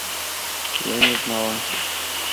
Я не знала.